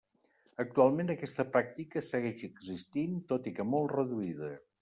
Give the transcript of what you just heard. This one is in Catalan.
Actualment aquesta pràctica segueix existint, tot i que molt reduïda.